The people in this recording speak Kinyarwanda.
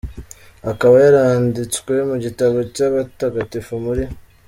Akaba yaranditswe mu gitabo cy’abatagatifu muri .